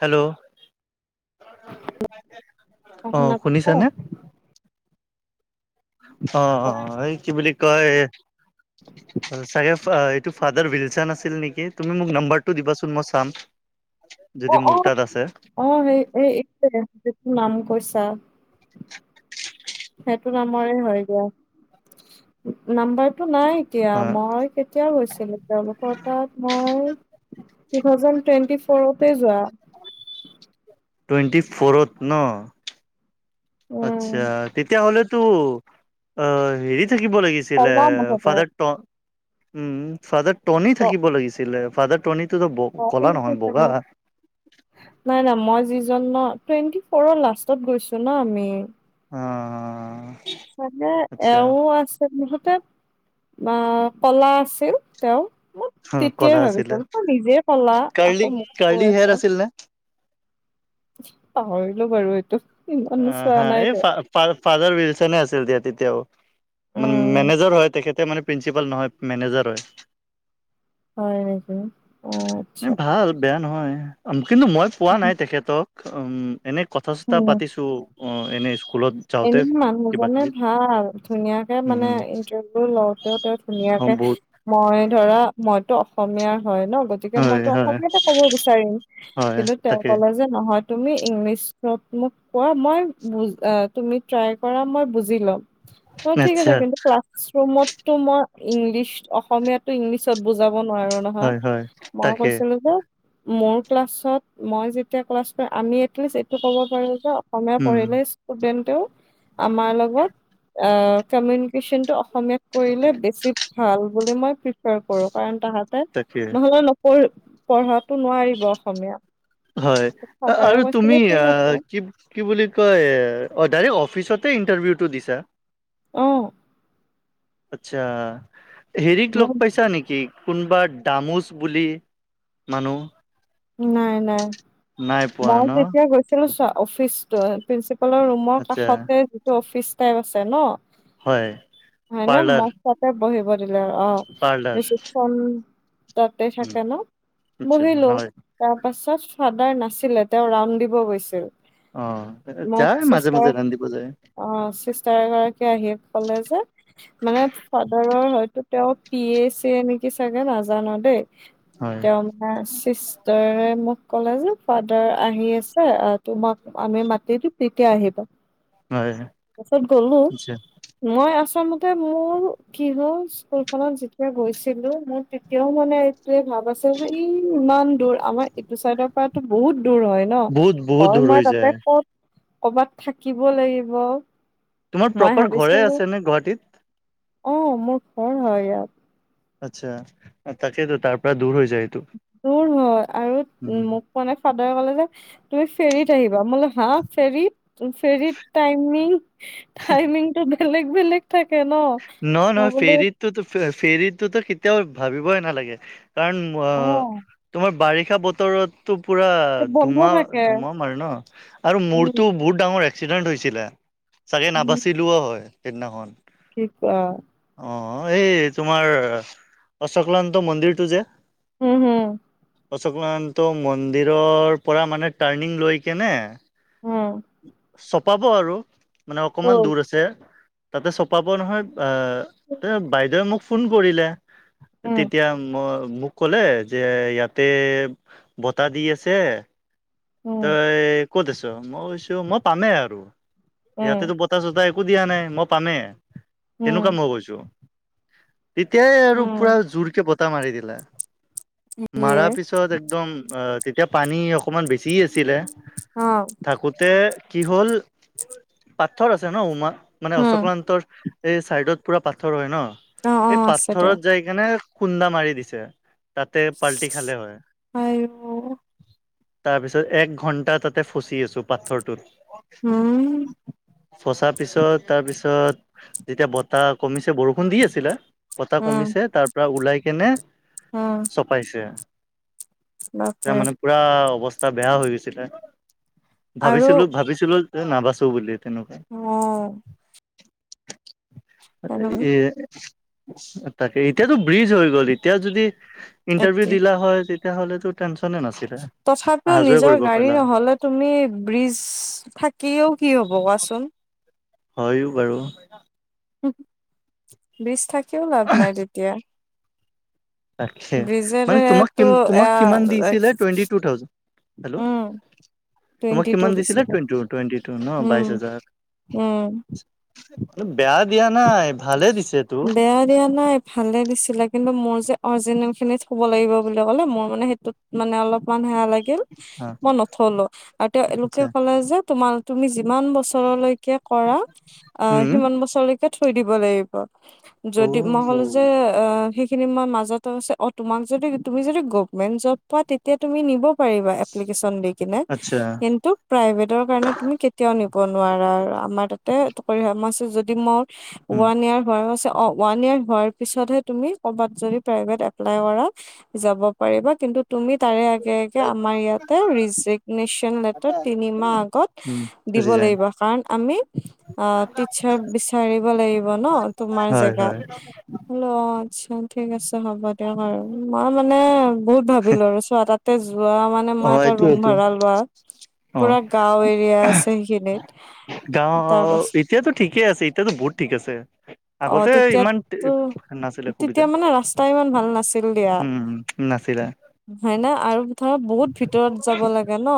Hello. অ', শুনা পাইছা? শুনিছেনে? অ'-অ' এই কি বুলি কয় চাগে এইটো ফাদাৰ উইলচন আছিল নেকি? তুমি মোক নাম্বাৰটো দিবাচোন মই চাম। যদি অ' মোৰ তাত আছে অ'-অ' ৱে এই এক চেকেণ্ড [unintelligible] নাম কৈছা। সেইটো নম্বৰে হয় দিয়া, নাম্বাৰ টো নাই এতিয়া অ মই কেতিয়া গৈছিলো, তেওঁলোকৰ তাত মই টু থাউজেণ্ড টুৱেণ্টি ফ'ৰতে যোৱা। টুৱেন্টি ফ'ৰত?, উম, আচ্ছা তেতিয়াহ'লে টো অ' হেৰি থাকিব লাগিছিলে পলাও মুঠতে। ফাদাৰ ট উম, ফাদাৰ টনী অ থাকিব লাগিছিলে, ফাদাৰ টনী তুটো ব অ ক'লা নেকি নহয় চাগে। বগা। নাই নাই মই যিজন ন টুৱেন্টি ফ'ৰৰ লাষ্টত গৈছো ন আমি। অ চাগে আচ্ছা এওঁ আছে [unintelligible] বা ক'লা আছিল তেওঁ। মোক অ তেতিয়াই কলা আছিলে ভাবিছোঁ, তই নিজে কলা কাৰ্লি আকৌ মোক কৈ কাৰ্লি আছ। হেয়াৰ আছিল নে পাহৰিলো বাৰু এইটো ইমানো চোৱা নাই দে। ফাডাৰ উইলচনে আছিল দিয়া তেতিয়াও, মানে উম মেনেজাৰ হয় তেখেতে মানে প্ৰিঞ্চিপাল নহয়, মেনেজাৰ হয়। হয় সেইটো। এ ভাল বেয়া নহয়, কিন্তু মই পোৱা নাই তেখেতক, উম এনে কথা চথা পাতিছো অ' এনে স্কুলত যাওঁতে এনে কিবা মানুহজনে কিবি ভাল, ধুনীয়াকে মানে উম ইন্টাৰভিউ লওঁতেওঁ তেওঁ অ ধুনীয়াকে বহুত মই ধৰা মইতো অসমীয়াৰ হয় ন, গতিকে হয় মইতো হয় অসমীয়াতে ক'ব বিচাৰিম হয় কিন্তু তেওঁ তাকে কলে যে নহয় তুমি ইংলিছ চত মোক কোৱা মই বুজ অ তুমি ট্ৰাই কৰা মই বুজি ল'ম। অ', ঠিক আচ্ছা আছে কিন্তু ক্লাছৰুমতটো মই ইংলিছ অসমীয়াটো ইংলিছত বুজাব নোৱাৰো নহয় হয় হয় মই তাকে কৈছিলো যে মোৰ ক্লাছত মই যেতিয়া ক্লাছ কৰিম আমি [unintelligible] এইটো ক'ব পাৰো যে অসমীয়া উম পঢ়িলে ষ্টুডেণ্ট আমাৰ লগত অ কমিউনিকেচনটো অস সমীয়াত কৰিলে বেছি ভাল বুলি মই প্ৰিফাৰ কৰোঁ কাৰণ তাহাঁতে তাকে নহ'লে নপঢ় পঢ়াটো নোৱাৰিব অসমীয়া। হয় ফাদাৰে আৰু তুমি কৈছিলে ঠিক আ আছে কি-কি বুলি কয় অ ডাইৰেক্ট অফিচতে ইণ্টাৰভিউটো দিছা। অ'। আচ্ছা, হেৰিক মই লগ পাইছা নিকি। কোনোবা দামোচ বুলি মানুহ। নাই নাই নাই পোৱা মই ন যেতিয়া গৈছিলো চা অফিচটো প্ৰিন্সিপালৰ ৰুমৰ আচ্ছা কাষতে যিটো অফিচ টাইপ আছে ন। হয় হয় নে পাৰ্লাৰ মোক তাতে বহিব অ পাৰ্লাৰ ৰিচিপখন তাতে উম, থাকে ন আচ্ছা বহিলোঁ। হয় তাৰ পাছত ফাদাৰ নাছিলে তেওঁ ৰাউন দিব গৈছিল। অ মোক যায় মাজে চিষ্টাৰ মাজে ৰান্ধিব যায়। অ চিষ্টাৰ এগৰাকী আহি কলে যে মানে ফাদাৰৰ হয়তো তেওঁ। পি এ চ নেকি চাগে নাজান দেই হয় তেওঁ মানে চি ফ মোক ক'লে যে ফাদাৰ আহি আছে তোমাক আমি মাতি দিম তেতিয়া আহিবা। হয় তাৰপিছত গলো আচ্ছা মই আছোঁ। প্ৰথমতে মোৰ কি হ'ল স্কুলখনত যেতিয়া গৈছিলোঁ মোৰ তেতিয়াও মানে য়ে ভাব আছে যে ই ইমান দূৰ আমাৰ এইটো চাইডৰ পৰাতো বহুত দূৰ হয় ন বহুত বহুত হয় দূৰ মই হৈ তাতে যায় ক'ত ক'বাত থাকিব লাগিব। তোমাৰ মই প্ৰপাৰ ঘৰে ভাবিছিলো আছে নে গুৱাহাটীত। অ মোৰ ঘৰ হয় ইয়াত। আচ্ছা তাকেতো তাৰ পৰা দূৰ হৈছে। দূৰ হয় আৰু উম মোক মন ফাদাৰে ক'লে যে তুমি ফেৰীত আহিবা মই কলোঁ হা ফেৰীত। ফেৰীৰ টাইমিং টাইমিংটো বেলেগ বেলেগ থাকে। ন ন মই নহ বোলো ফেৰিতটো ফেৰীতোতো কেতিয়াও ভাবিবই নালাগে কাৰণ অ তোমাৰ বাৰিষ ষা বতৰতটো পুৰা বন্ধ ধুমা থাকে ধুমাম আৰু ন আৰু উম মূৰটো বহুত ডাঙৰ আছে এক্সিডেণ্ট হৈছিলে, চাগে উম নাবাচিলোঁও হয় সেইদিনাখন। কি কোৱা অ এই তোমাৰ অশ্ৰকলান্তা মন্দিৰটো যে হম হম অশ্ৰ ক্লান্তা মন্দিৰৰ পৰা মানে টাৰ্ণিং লৈ কিনে উম চপাব আৰু মানে অ অকমান দূৰ আছে তাতে চপাব নহয়। বাইদেৱে মোক ফোন কৰিলে, উম তেতিয়া মই মোক কলে যে ইয়াতে বতাহ দি আছে উম তই কত আছ মই কৈছো মই পামেই আৰু উম ইয়াতেতো বতাহ চতাই একো দিয়া নাই মই পামেই উম তেনেকুৱা মই কৈছো। তেতিয়াই আৰু উম পুৰা জোৰকে বতাহ মাৰি দিলে। ইয়ে মাৰা পিছত একদম অ তেতিয়া পানী অকমান বেছি আছিলে। অ থাকোতে কি হ'ল পাথৰ আছে ন উমা। মানে উম অশ্বক্লান্তৰ এই চাইডত পুৰা পাথৰ হয় ন', অ অ এই আছে দিয়া পাথৰত যাই কেনে খুন্দা মাৰি দিছে। তাতে পাল্টি খালে হয়। আইও তাৰ পিছত এক ঘন্টা তাতে ফচি আছোঁ পাথৰটোত। উম। ফচা পিছত, তাৰ পিছত যেতিয়া বতাহ কমিছে, বৰষুণ দি আছিলে বতাহ উম কমিছে। তাৰ পৰা ওলাই কিনে উম চপাইছে। তাৰ বাপৰে মানে পুৰা অৱস্থা বেয়া হৈ গৈছিলে। আৰু ভাবিছিলোঁ- ভাবিছিলোঁ নাবাচো বুলি। তেনেকুৱা অ'। তেনেকুৱা এ তাকে। এতিয়াতো ব্ৰিজ হৈ গ'ল। এতিয়া যদি ইন্টাৰভিউ এতিয়া দিলা হয়, তেতিয়া হ'লেতো টেনশনে নাছিল। তথা পিও নিজৰ গাড়ী নহ'লে, তুমি ব্ৰিজ থাকিও কি হ'ব কোৱাচোন? হয়ো বাৰু। বিশ থাকেও লাভ নাই তেতিয়া। তাকে মানে তোমাক কি তোমাক কিমান দিছিলে টুৱেণ্টি [unintelligible] টু থাউজেণ্ড হেল্ল' উম, তোমাক টুৱেণ্টি টু কিমান দিছিলে টুৱেণ্টি-টুৱেণ্টি টু ন' উম বাইশ হাজাৰ। উম বেয়া দিয়া। নাই ভালে দিছে তো বেয়া দিয়া নাই ভালে দিছিলেগ। কিন্তু মোৰ যে অৰিজিনেল খিনিত থ'ব লাগিব বুলি ক'লে মোৰ মানে সেইটোত মানে অলপমান সেয়া লাগি হা [unintelligible] মই নথ'লো আৰু তেওঁলোকে আচ্ছা ক'লে যে তোমাৰ তুমি যিমান বছৰলৈকে কৰা অ' উম সিমান বছৰলৈকে থৈ দিব লাগিব। যদি মই ক'লো যে অ অ' সেই কেইদিনমান মাজত আছে অ' তোমাক যদি তুমি যদি গভাৰমেণ্ট জব পোৱা তেতিয়া তুমি নিব পাৰিবা এপ্লিকেচন দি কিনে, আচ্ছা কিন্তু প্ৰাইভেটৰ কাৰনে তুমি কেতিয়াও নিব নোৱাৰা আমাৰ তাতে আগতে এইটো কৰি [unintelligible] যদি মোৰ উম ওৱান ইয়েৰ হৈ গৈছে অ' ওৱান ইয়েৰ হোৱাৰ পিছতহে তুমি কৰ'বাত যদি প্ৰাইভেট এপ্লাই কৰা যাব পাৰিবা। কিন্তু তুমি তাৰে আগে-আগে আমাৰ ইয়াতে ৰিজিগনেচন লেটাৰ তিনিমাহ আগত উম দিব ৰিজাইন লাগিব কাৰণ আমি টিচাৰ বেছি বিচাৰিব লাগিব ন' তোমাৰ হয় হয় জাগাত, মই বোলো অ' আচ্ছা ঠিক আছে হ'ব দিয়ক বাৰু। মই মানে বহুত ভাবিলো আৰু চোৱা তাতে যোৱা মানে অ মই এটা এইটো ৰুম এইটো ভাড়া লোৱা। অ পুৰা গাওঁ এৰিয়া আছে সেইখিনিত। তাৰ গাঁও পাছত এতিয়াতো ঠিকেই আছে এতিয়াতো বহুত ঠিক আছে। অ' আগতে ইমান তেতিয়াতো নাছিলে সুবিধা তেতিয়া মানে ৰাস্তা ইমান ভাল নাছিল দিয়া। উম নাছিলে হয় ন আৰু ধৰ বহুত ভিতৰত যাব লাগে ন।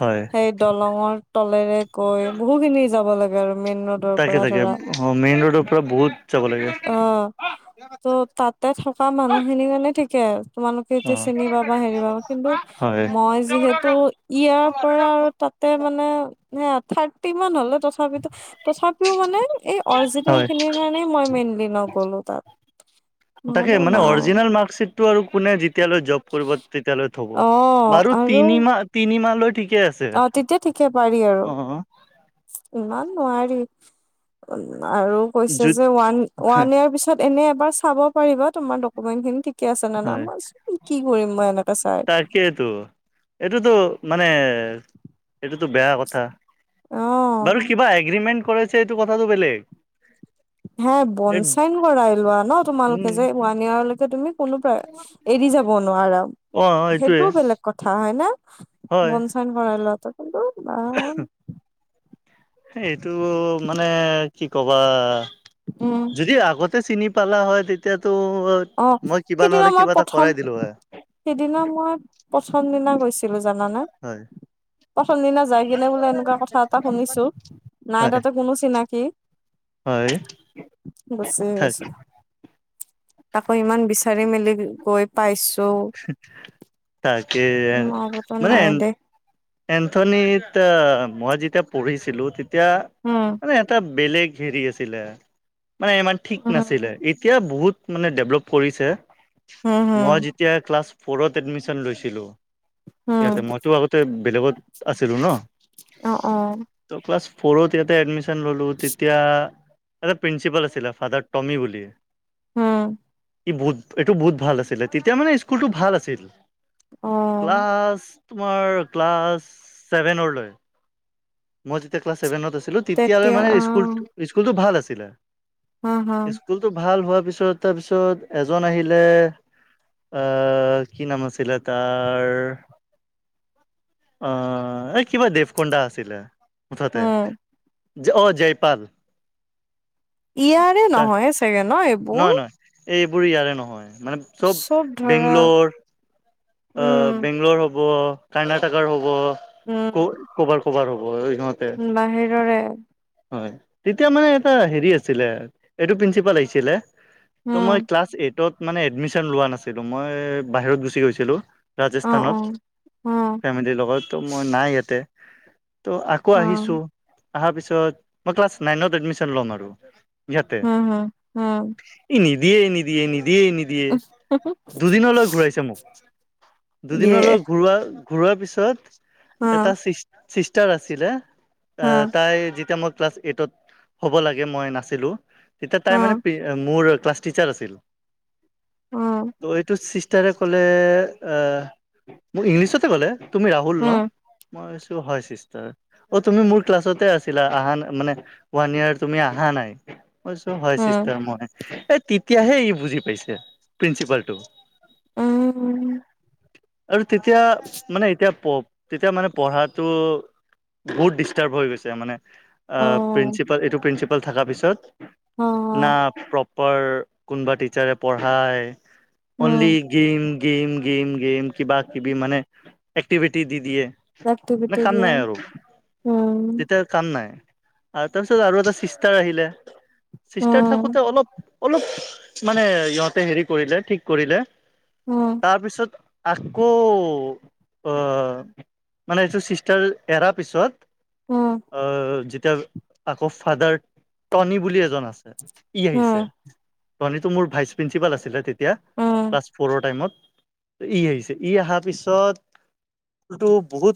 হয় সেই দলঙৰ তলেৰে গৈ বহু খিনি যাব লাগে আৰু। মেইন ৰোডৰ তাকে পৰা তাকে ধৰা অ মেইন ৰোডৰ পৰা বহুত যাব লাগে অ' ত' তাতে থকা মানুহখিনিৰ কাৰণে ঠিকে। তোমালোকে অ এতিয়া চিনি পাবা হেৰি পাবা কিন্তু হয় মই যিহেতু ইয়াৰ পৰা আৰু তাত তে মানে সেয়া থাৰ্টি মান হ'লে তথাপিতো তথাপিও মানে এই অ হয় সেইখিনিৰ কাৰণে মই মেইনলি নগ'লো তাত। তাকে নহ'লেও মানে নাই অৰিজিনেল মাৰ্কশ্বিট টো আৰু কোনে যেতিয়ালৈ জব কৰিব তেতিয়ালৈ থ'ব, অ' বাৰু আৰু তিনিমাহ-তিনিমাহলৈ অ' তেতিয়া ঠিকে পাৰি আৰু ইমান নোৱাৰি। আৰু কৈছে জুত যে ওৱান-ওৱান ইয়েৰ পিছত এনে এবাৰ চাব পাৰিবা তোমাৰ ডকুমেন্ট খিনি ঠিকে ঠিকে আছে নে নাই, হয় মই ভাবিছোঁ কি কৰিম মই এনেকে চাই। তাকেইতো এইটোতো মানে সেইটোতো বেয়া কথা বাৰু অ', কিবা এগ্ৰিমেণ্ট কৰেছে এইটো কথাটো বেলেগ। হা বন এই চাইন কৰাই লোৱা ন' তোমালোকে উম যে ওৱান ইয়াৰলৈকে তুমি কোনোবা এৰি যাব নোৱাৰা অ এইটোয়ে সেইটোও বেলেগ কথা হয় ন'। হয় বন চাইন কৰাই লোৱাটো কিন্তু বাহ এইটো মানে কি কবা উম যদি আগত চিনি পালা হয় তেতিয়াতো অ', মই কিবা নহলে কিবা এটা কৰাই দিলো হয়। সেইদিনা মই প্ৰথম দিনা গৈছিলোঁ জানানে। হয় প্ৰথম দিনা যাই কিনে বোলে এনেকুৱা কথা এটা শুনিছো। নাই হয় তাতে কোনো চিনাকি, হয় বচাই আছে। আকৌ ইমান বিচাৰি মেলি গৈ পাইছোঁ। তাকে মাকহতো মানে নাই এ দেই। এন্থনীত মই যেতিয়া পঢ়িছিলোঁ, তেতিয়া উম মানে এটা বেলেগ হেৰি আছিলে মানে ইমান ঠিক উম নাছিলে। এতিয়া বহুত মানে ডেভলপ কৰিছে, হম মই হম যেতিয়া ক্লাছ ফৰত এডমিশন লৈছিলোঁ। হম ইয়াতে মইতো আগতে বেলেগত আছিলোঁ ন'। অ', অ'। ক্লাছ ফ'ৰত ইয়াতে এডমিশন ললোঁ। তেতিয়া এটা প্ৰিঞ্চিপাল আছিলে, ফাদাৰ টমি বুলি। উম। ই বহুত- এইটো বহুত ভাল আছিলে। তেতিয়া মানে স্কুলটো ভাল আছিল। অ', ক্লাছ তোমাৰ ক্লাছ ছেভেনৰলৈ মই যেতিয়া ক্লাছ ছেভেনত আছিলোঁ, তেতিয়ালৈ তেতিয়া মানে স্কুল- অ', স্কুলটো ভাল আছিলে। হা, হা, স্কুলটো ভাল হোৱাৰ পিছত, তাৰপিছত এজন আহিলে অ' কি নাম আছিলে তাৰ? অ' এই কিবা দেৱ কুণ্ডা আছিলে। মুঠতে। উম, অ' জয়পাল। ইয়াৰে নহয় চাগে ন'? এই নহয়-নহয়, এইবোৰ ইয়াৰে নহয়। মানে চব বেংলোৰ, অ' উম, বেংলোৰ হ'ব, কৰ্ণাটকাৰ হ'ব, উম, কৰ-ক'বাৰ - ক'বাৰ হ'ব। ঐ বাহিৰৰে। হয়। তেতিয়া মানে এটা হেৰি আছিলে, এইটো প্ৰিঞ্চিপাল আহিছিলে তো উম, মই ক্লাছ এইটত মানে এডমিশন লোৱা নাছিলোঁ। মই বাহিৰত গুচি গৈছিলোঁ। অ', ৰাজস্থানত, অ', অ', ফেমিলিৰ লগত। তো মই নাই ইয়াতে। তো আকৌ অ', আহিছোঁ। আহাৰ পিছত, মই ক্লাছ নাইনত এডমিশন ল'ম আৰু। হুম-হুম, হুম। দিয়ে নিদিয়ে নি দিয়ে নিদিয়ে। দুদিনলৈ ঘূৰাইছে মোক। ইয়ে দুদিনলৈ ঘূৰোৱা ঘূৰোৱাৰ পিছত এটা অ', ছিষ্- ছিষ্টাৰ আছিলে, হা, অ'- তাই যেতিয়া মই ক্লাছ এইটত হ'ব লাগে, মই নাছিলোঁ, তেতিয়া তাই মানে অ', পে- মোৰ ক্লাছ টিচাৰ আছিল। অ', উম, তো এইটো ছিষ্টাৰে ক'লে অ' মোক ইংলিছতে ক'লে, তুমি ৰাহুল ন'? মই কৈ ছোঁ, হয় ছিষ্টাৰ। অ', তুমি মোৰ ক্লাছতে আছিলা আহা না মানে ওৱান ইয়াৰ তুমি আহা নাই। মই কৈছোঁ, হয় উম, ছিষ্টাৰ। মই এই তেতিয়াহে ই বুজি পাইছে, প্ৰিঞ্চিপালটো। উম, আৰু তেতিয়া মানে, এতিয়া প- তেতিয়া মানে পঢ়াটো বহুত ডিষ্টাৰ্ব হৈ গৈছে মানে অ' প্ৰিঞ্চিপাল- এইটো প্ৰিঞ্চিপাল থকাৰ পিছত। না অ', প্ৰপ পাৰ কোনোবা টিচাৰে পঢ়ায়, only um, game game game - game, কিবা - কিবি মানে, এক্টিভিটি দি দিয়ে। এক্টিভিটি মানে কাম দিয়া নাই আৰু। উম, তেতিয়া কাম নাই। আৰু তাৰপিছত আৰু এটা ছিষ্টাৰ আহিলে। ছিষ্টাৰ উম, থাকোতে অলপ অলপ মানে ইহঁতে হেৰি কৰিলে, ঠিক কৰিলে। উম, তাৰপিছত আকৌ অ' মানে এইটো ছিষ্টাৰ এৰাৰ পিছত উম, অ' যেতিয়া আকৌ ফাদাৰ টনি বুলি এজন আছে। ই আহিছে উম, ধনীটো, মোৰ ভাইচ প্ৰিঞ্চিপাল আছিলে তেতিয়া উম। ক্লাছ ফৰৰ টাইমত। ই আহিছ, ই অহাৰ পিছত ফুলটো বহুত